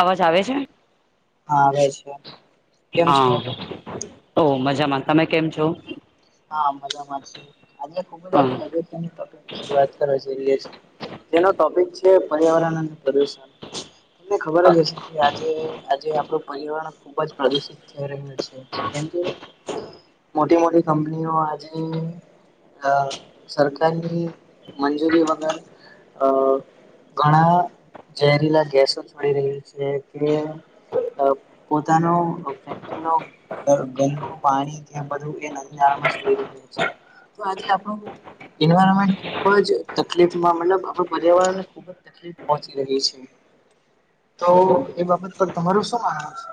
અવાજ આવે છે? હા આવે છે. કેમ હા છો? ઓ મજામાં. તમે કેમ છો? હા મજામાં છે. આજે ખુબ જ આપણે અગત્યની ટોપિકની શરૂઆત [unintelligible] તેનો ટોપિક છે પર્યાવરણ અને પ્રદુષણ. તમને ખબર જ હશે કે, આજે આજે આપડું પર્યાવરણ ખુબ જ પ્રદુષિત થઈ રહ્યું છે. કેમકે મોટી મોટી કંપનીઓ આજે અ સરકારની મંજૂરી વગર અ ઘણા ઝેરીલા ગેસો છોડી રહ્યા છે કે, અ પોતાનો ફેક્ટરીનો ગ ગંદુ પાણી કે બધું એ ન નામ જ [unintelligible] છે તો આજે આપણો એન્વાયરમેન્ટ ખુબ જ તકલીફમાં મતલબ આપણા પર્યાવરણને ખૂબ જ તકલીફ પહોંચી રહી છે. તો હ એ બાબત પર તમારું શું માનવું છે?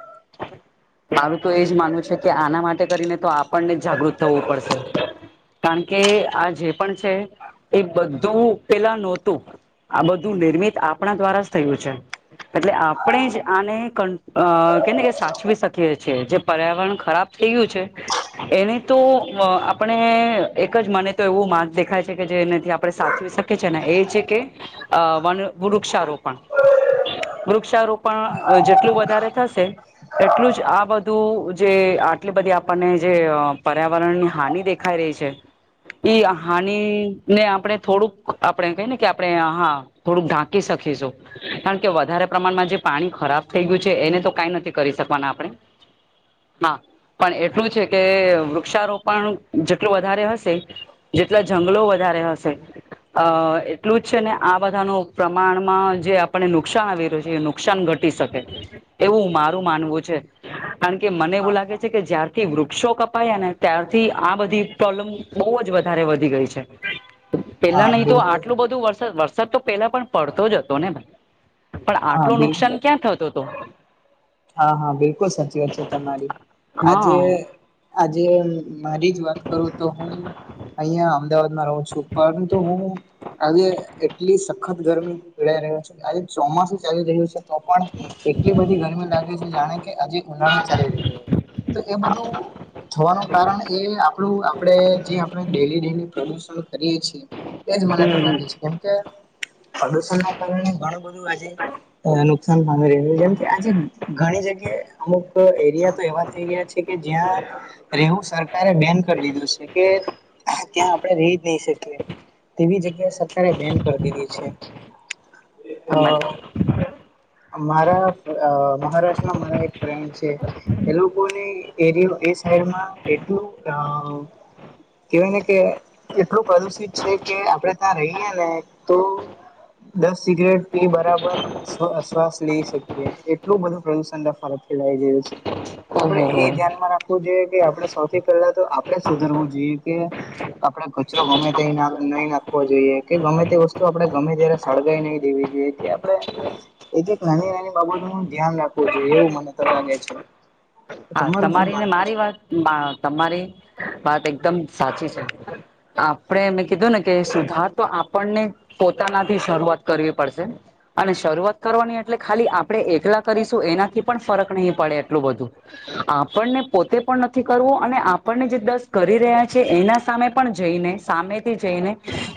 મારું તો એ જ માનવું છે કે, આના માટે કરીને તો આપણને જ જાગૃત થવું પડશે. કારણ કે આ જે પણ છે એ બધું પેહલા નહોતું. આ બધું નિર્મિત આપણા દ્વારા જ થયું છે. એટલે આપણે જ આને કે કે સાચવી શકીએ કે છે જે પર્યાવરણ ખરાબ થય ગયું છે. એને તો અ આપણે એક જ મને તો એવું માર્ગ દેખાય છે કે જે એનાથી આપણે સાચ જોઈ શકે છે ને એ છે કે અ વન વૃૃક્ષારોપણ. વૃક્ષારોપણ જેટલું વધારે થશે એટલું જ આ બધું જે આટલી બધી આપણને જે પર્યાવરણની હાનિ દેખાઈ રહી છે ઈ હાનિને આપણે થોડુંક આપણે કહીએને કે આપણે હા થોડુંક ઢાંકી શકીશું. કારણ કે વધારે પ્રમાણમાં જે પાણી ખરાબ થઈ ગયું છે એને તો કઈ નથી કરી શકવાના આપણે હા પણ એટલું છે કે વૃક્ષારોપણ જેટલું વધારે હશે જેટલા જંગલો વધારે હશે અ એટલું જ છે ને આ બધા ન પ્રમાણમાં જે આપને નુકસાન આવી રહ્યું છે. નુકસાન ઘટી શકે એવું મારું માનવું છે કારણ કે મને એવું હા લાગે કે જ્યારથી વૃક્ષો કપાયા ને ત્યારથી આ બધી પ્રોબ્લેમ બહુ જ વધારે વધી ગઈ છે. પેલા હા નહી તો બિલકુલ આટલું બધું વરસાદ વરસાદ તો પેલા પણ પડતો જ હતો નેાઈ? પણ હા આટલું બિલકુલ નુકસાન ક્યાં થતોું હતો. હા હા બિલકુલ સાચી વાત છે તમારી આજે હા આજે મારી જ વાત કરું તો હું અહીં અમદાવાદમાં રહું છું. પરંતુ હું આજે એટલી સખત ગરમી પીડાઈ રહ છે આજે ચોમાસું ચાલી રહ્યું છે તો પણ એટલી બધી ગરમી લાગ જણે કેઆજે ઉનાળો જ ચાલી રહ્યો એબઘુ થવાનું કારણ એ આપણું આપણે જે આપણે ડેલી ડેલી પ્રદુષણ કરીએ છીએ એજ મને તો લાગે હમ છે કેમ કે પ્રદુષણ ના કારણે ઘણું બધું આજે નુકસાન પામી રહ છે જેમ કે આજે ઘણી જગ્યાએ અમુક એરિયા તો એવા એરિયા છે કે જ્યાં એવું સરકારે બેન કરી દીધું છે કે ત્યાં આપણે રહી જ નહી શકીએ તેવી જગ્યા સરકારે બેન કરી દીધી છે. અ મારા અ મહારાષ્ટ્રમાં મારા એક ફ્રેન્ડ છે. એ લોકોને એરિયો એ સાઈડમાં એટલું કેવાય ને કે એટલું પ્રદુષિત છે કે આપણેે ત્યાં રહીયે ને તો દસ સિગરેટ પી બરાબર શ્વાસ લઈ શકીએ છે. એટલું બધું પ્રદુષણ દ્ફાવત ફેલાઈ ગયું છે તો આપડે ઓહો હો એ ધ્યાનમાં રાખ જોઈએ કે આપડે સૌથી પહેલા તો આપડે સુધરવું જોઈએ કે આપડે કચરો ગમે તે નહી નાખવો જોઈએ કે ગમે તે વસ્તુ આપણે ગમે ત્યારે સળગાઈ નહી દેવી જોઈએ. કે આપણે [inaudible] એક એક નાની નાની બાબત નું ધ્યાન રાખવું જોઈએ એવું મને તો લાગે છે. હા તમારું શું તમારી ને માનવું મારી છે વાત તમારી વાત એકદમ સાચી છે. આપણે મેં કીધું ને કે સુધાર તો આપણને પોતાનાથી શરૂઆત કરવી પડશે. અને શરૂઆત કરવાની એટલે ખાલી આપણે એકલા કરીશું એનાથી પણ ફરક નહી પડે એટલું બધું આપણને પોતે પણ નથી કરવું અને આપણને જે દસ કરી રહ્યા છે એના સામે પણ જઈને સામેથી જઈને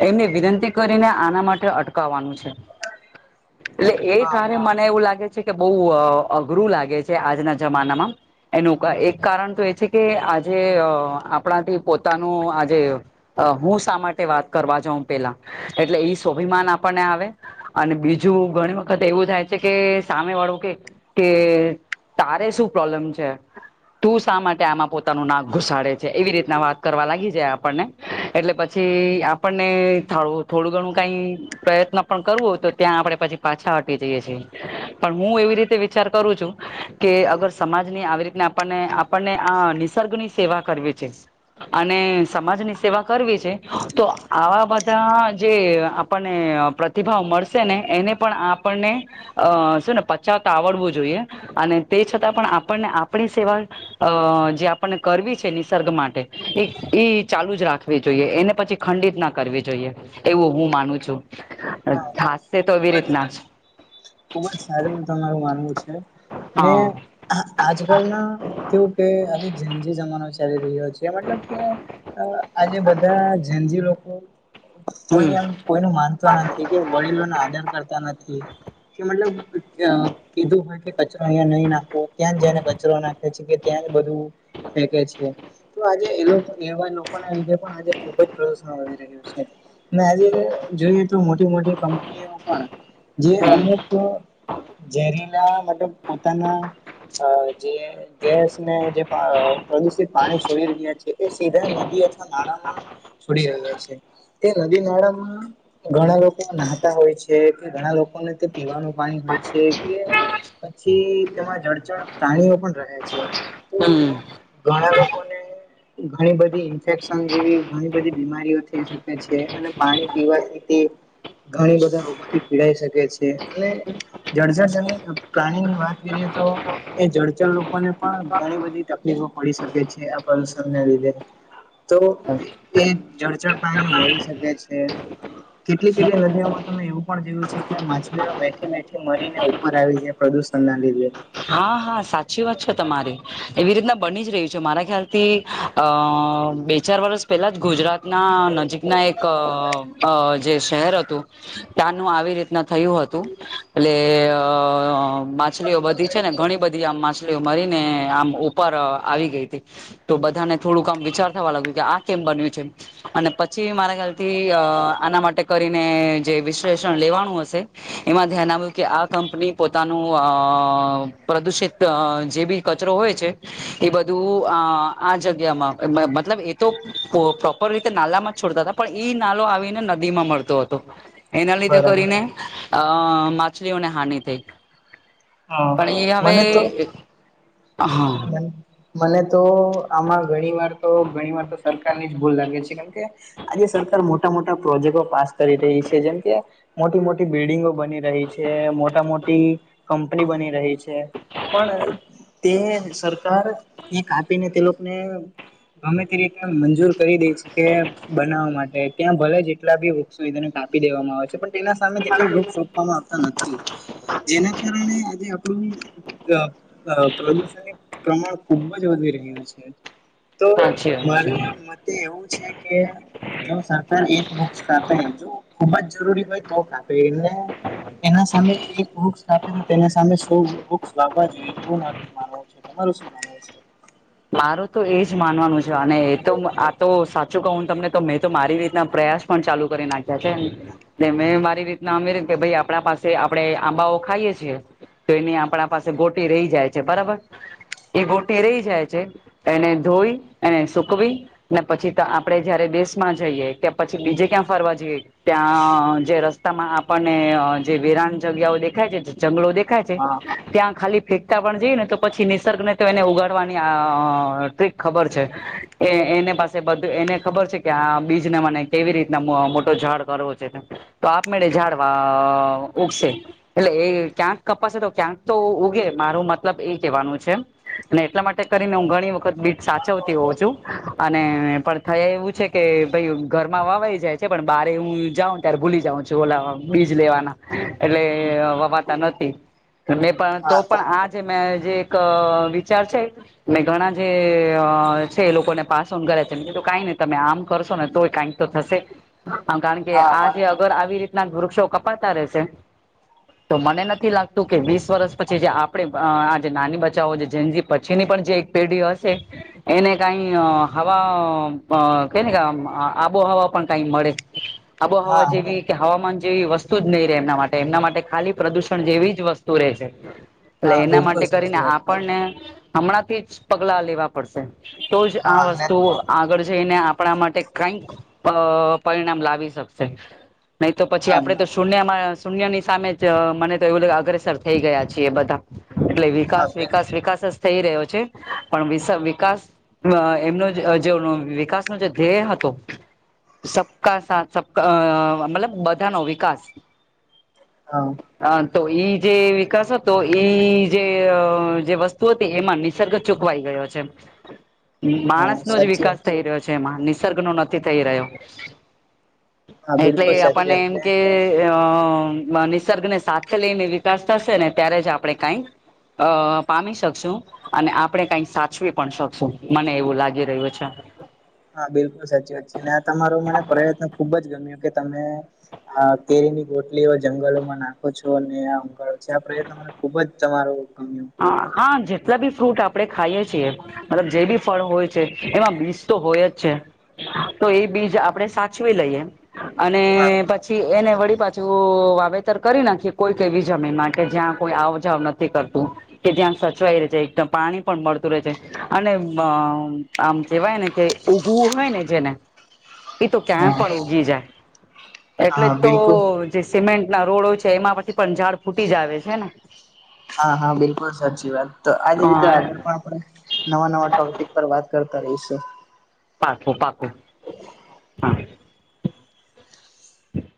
એમને વિનંતી કરીને આના માટે અટકાવવાનું છે. [inaudible] એટલે એ હા કારણે મને એવું લાગે છે કે બહુ અઘરું લાગે છે આજના જમાનામાં એનું એક કારણ તો એ છે કે આજે આપણાથી પોતાનું આજે હું શા માટે વાત કરવા જાઉં પેલા એટલે એવી સ્વાભિમાન આપણને આવે અને બીજું ઘણી વખત એવું થાય છે કે સામે વાળું કે કે તારે શું પ્રોબ્લેમ છે. તું શા માટે આમાં પોતાનું નાક ઘુસાડે છે એવી રીતના વાત કરવા લાગી જાય આપણને એટલે પછી આપણને થઉ થોડું ઘણું કાઈ પ્રયત્ન પણ કરવો હોય તો ત્યાં આપડે પછી પાછા હટી જઈએ છીએ. પણ હું એવી રીતે વિચાર કરું છું કે અગર સમાજ ની આવી રીતને આપણને આપણને આ નિસર્ગ ની સેવા કરવી છે. અને સમાજની સેવા કરવી છે તો આવા બધા જે આ આપણને પ્રતિભાવ મળશે ને એને પણ આપણને અ શું ને પચાવતા આવડવું જોઈએ અને તે છતાં પણ આપણને આપણી સેવા અ જે આપણને કરવી છે નિસર્ગ માટે એ એ ચાલુ જ રાખે રાખવી જોઈએ એને પછી ખંડિત ના કરવી જોઈએ એવું હું માનું છું. પણ હા થાસશે એવી રીતના જ ખુબ જ સારું તમારું માનવું છે ને હા આજકાલના કેવું કે આજ જેમ જે જમાનો ચાલી રહ્યો છે મતલબ કે અ આજે બધા જનજી લોકો કોઈ એમ હમ કોઈ નુ માનતા નથી. તે તે વડીલોને આદર કરતા નથી. કે મતલબ અ કીધું હોય કે કચરો અહિયાયા નહી નાખવો ક્યાં જને કચરો નાખે છે. ત્યાંરે બધું ફેકે છે. તો આજે એ એવા લોકો ના લીધે પણ આજે ખુબ જ પ્રદુષણ વધી રહ્યું છે. ને આજે જોઈએ તો મોટી મોટી કંપનીઓ પણ જે અમુક અ ઝરીના મતલબ પોતાના અ જે ગેસ ને જે પ્રદુષિત પાણી છોડી રહ્યા છે એ સીધા નદી અથવા નાળામાં છોડી રહ્યા છે એ નદી નાળામાં ઘણા લોકો નાહતા હોય છે કે ઘણા લોકોને તે પીવાનું પાણી હોય છે કે પછી તેમાં જળચણ પ્રાણીઓ પણ રહે છે. તો હમ્મ. ઘણા લોકો ને ઘણી બધી ઈન્ફેક્શન જેવી ઘણી બધી બીમારીઓ થઈ શકે છે અને પાણી પીવાથી બી ઘણી બધા રોગોથી પીડાઈ શકે છે અને જર્જર જમીન પ્રાણી ની વાત કરીએ તો એ જળચર લોકોને પણ ઘણી બધી તકલીફો પડી શકે છે આ પ્રદુષણને લીધે તો એ જળચર પાણી મળી શકે છે કેટલીક કેટલી નદીઓમાં તમે એવું પણ જોયું છે કે માછલીઓ બેઠી બેઠી મરીને ઉપર આવી જાય પ્રદૂષણ ના લીધે હા હા સાચી વાત છે તમારી એવી રીતના બની જ રહી છે મારા ખ્યાલથી અ બે ચાર વર્ષ પહેલાં જ ગુજરાતના નજીકના એક અ અ જે શહેર હતું. ત્યાનું આવી રીતના થયું હતું એટલે અ માછલીઓ બધી છે ને ઘણી બધી આમ માછલીઓ મરીને આમ ઉપર આવી ગઈ હતી તો બધાને થોડુંક આમ વિચાર થવા લાગ્યું કે આ કેમ બન્યું છે. અને પછી મારા ખ્યાલથી અ આના માટે કરીને જે વિશ્લેષણ લેવાનું હશે. એમાં ધ્યાન આવ્યું કે આ કંપની પોતાનું અ પ્રદુષિત જે બી કચરો હોય છે. એ બધું અ આ જગ્યામાં મતલબ એ તો પ્રોપર રીતે નાલામાં છોડતા હતા. પણ ઈ નાલો આવીને નદી માં મળતો હતો એના લીધે બરાબર કરીને અ માછલીઓને હાનિ થઈ હા પણ એ મને તો હવે હા. મને તો આમાં ઘણી વાર તો ઘણી વાર તો સરકારની જ ભૂલ લાગે છે કેમ કે આજે સરકાર મોટા મોટા પ્રોજેક્ટો પાસ કરી રહી છે જેમ કે મોટી મોટી બિલ્ડિંગો બની રહી છે મોટા મોટી કંપની બની રહી છે. તે પણ તે સરકાર એકાપીને તે લોકોને ગમે તે રીતે મંજૂર કરી દઈ છે કે બનાવવા માટે ત્યાં ભલે જેટલા બી સુધાને કાપી દેવામાં આવે છે પણ તેનાં સામે તેટલા વૃક્ષ રોપવામાં આવતા નથી જેના કારણે આ [inaudible] પ્રદુષણ પ્રમાણ ખુબ જ વધી રહ્યું છે. તો સાચી વાત મારે છે. મતે એવું છે કે જો સરકાર એક બુક્સ કાપે જો ખુબ જ જરૂરી હોય તો કાપે એટલે એના સામે એક વૃક્ષ આપે તેના સામે તો વૃક્ષ વાવા જોઈએ એવું મારું તો માનવું છે તમારું શું માનવું છે? મારું તો એજ માનવાનું છે અને એ તો આ તો સા હું તમને મેં તો મારી રીતના પ્રયાસ પણ ચાલુ કરી નાખ્યા છે. મેં મારી રીતના અમેર કે ભાઈ આપણા પાસે આપડણે આંબાઓ ખાઈએ છીએ. તો એની આપણા પાસે ગોટી રહી જાય છે બરાબર એ ગોટી રહી જાય છે એને ધોવી એને સુકવી ને પછી આપડે જયારે દેશમાં જઈએ તે પછી બીજે ક્યાં ફરવા જઈએ ત્યાં જે રસ્તામાં આપણને જે વિરાન જગ્યાઓ દેખાય છે જંગલો દેખાય છે હા ત્યાં ખાલી ફેંકતા પણ જઈ ને તો પછી નિસર્ગ ને તો એને ઉગાડવા ટ [inaudible] ખબર છે એ પાસે બ એને ખબર છે કે આ બીજને મને કેવી રીતના મોટો ઝાડ કરવો છે. તો આપ મેળે ઝાડવા ઉગસે. એટલે એ ક્યાંક કપાશે તો ક્યાંક તો ઉગે મારું મતલબ એ કેવાનું છે. અને એટલા માટે કરીને હું ઘણી વખત બીજ સાચવતી હોઉં છું અને પણ થયા એવું છે કે ભાઈ ઘરમાં વાવાઈ જાય છે પણ બારે હું જાઉં ત્યારે ભૂલી જાઉં છું ઓલાવ બીજ લેવાના એટલે વા વાતા નથી મે પણ તો પણ આ જે મે જે એક વિચાર છે. મે ઘણા જે છે એ લોકોને પાસ ઓન કરે કીધું કઈ નઈ તમે આમ કરશો ને તોય કાંઈ તો થશે કારણ કે હા આ મને જે અગર આવી રીતના વૃક્ષો કપાડતા રહેશે હ તો મને નથી લાગતું કે વીસ વર્ષ પછી જે આપણે આ જે નાની બચાવો જેન જી પછીની પણ જે એક પેઢી હશે એને કઈ હવા કેને કે આબોહવા પણ કઈ મળે આબોહવા હા જેવી કે હવામાન જેવી વસ્તુ જ નહી રે એમના માટે ખાલી પ્રદુષણ જેવી જ વસ્તુ રહેશે. એટલે હા એના બિલકુલ માટે સાચી કરીને વાત. આપણને હમણાં થી જ પગલા લેવા પડશે તો જ આ હા અને વસ્તુ આગળ જઈને આપણા માટે કઈક પરિણામ લાવી શકશે. નહી તો પછી હા આપડે તો શૂન્યમાં શૂન્ય ની સામે જ મને તો એવું લાગે અગ્રેસર થઈ ગયા છેીએ બધા એટલે હા વિકાસ બે વિકાસ વિકાસ જ થઈ રહ્યો છે પણ વિકાસ એમનો જે વિકાસ ન જે ધ્યેય હતો સબકા સાથ સબકા અ મતલબ બધાનો વિકાસ હા. હ તો ઈ જે વિકાસ હતો ઈ જે વસ્તુ હતી એમાં નિસર્ગ ચુકવાઈ ગયો છે હા માણસનો જ સાચી વિકાસ વાત થઈ રહ્યો છે. જેમાં નિસર્ગ નો નથી થઈ રહ્યો હા એટલે બિલકુલ સાચી આપણને વાત એમ ને કે અ નિસર્ગ ને સાથે લઈને વિકાસ થશે ને ત્યારે જ આપણે કઈ પામી શકશું અને આપણે કઈક સાચવી પણ શકશું મને એવું લાગી રહ્યું છે. હા બિલકુલ સાચી વાત છે અને આ તમારો મને પ્રયત્ન ખુબ જ ગમ્યો કે તમે હ કેરીની ગોટલીઓ જંગલોમાં નાખો છો અને આ ઉગાડો છો આ પ્રયત્ન ખુબ જ તમારો ગમ્યું હા જેટલા બી ફ્રૂટ આપણે ખાઈએ છીએ મતલબ જે બી ફળ હોય છે એમાં બીજ તો હોય જ છે. તો એ બીજ આપડે સાચવી લઈએ અને પ પછી એને વળી પાછું વાવેતર કરી નાખી કોઈક એવી જમીન માટે કે જ્યાં કોઈ આવજાવ નથી કરતું. કે જ્યાં સચવાઈ રહે છે એકદમ પાણી પણ મળતું રહે છે અને અ આમ કેવાય ને કે ઉગવું હોય ને જેને હ [inaudible] એ તો ક્યાંય પણ ઉગી જાય એટલે હા તો બિલકુલ જે સિમેન્ટ ના રોડો છે એમાં પછી પણ ઝાડ ફૂટી જ આવે છે ને હા હા બિલકુલ સાચી વાત તો આજ રીતે હા, આગળ પણ આપણે નવા નવા ટોપિક પર વાત કરતા રહીશું. પાકું પાકું. હા